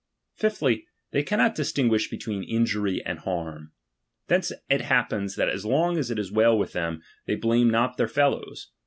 Fifthly, they cannot distinguish between injury and harm ; thence it happens that as long as it is well with fj^ them, they blame not their fellows.